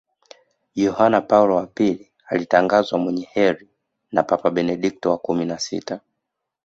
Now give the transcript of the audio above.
yohane paulo wa pili alitangazwa mwenye kheri na papa benedikto wa kumi na sita